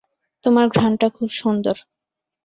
তোমার ঘ্রাণটা খুব সুন্দর।